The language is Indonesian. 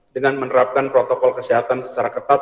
dengan menerapkan protokol kesehatan secara ketat